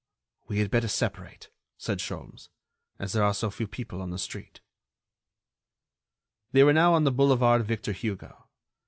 "We had better separate," said Sholmes, "as there are so few people on the street." They were now on the Boulevard Victor Hugo.